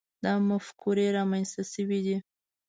دا مفکورې رامنځته شوي دي.